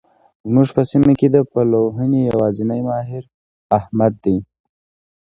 زموږ په سیمه کې د پلوهنې يوازنی ماهر؛ احمد دی.